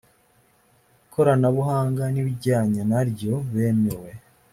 koranabuhanga n ibijyanye naryo bemewe